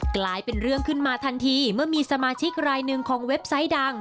กลายเป็นเรื่องขึ้นมาทันทีเมื่อมีสมาชิกรายหนึ่งของเว็บไซต์ดัง